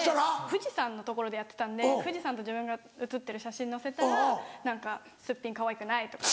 富士山のところでやってたんで富士山と自分が写ってる写真載せたら何か「すっぴんかわいくない」とか。